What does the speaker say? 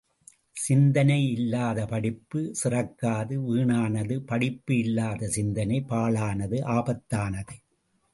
சிந்தனை இல்லாத படிப்பு சிறக்காது வீணானது படிப்பு இல்லாத சிந்தனை பாழானது ஆபத்தானது!